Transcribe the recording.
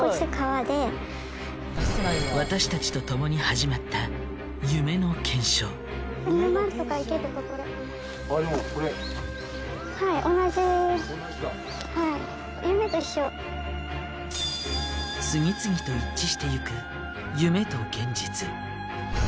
私たちと共に始まったはい次々と一致していく夢と現実。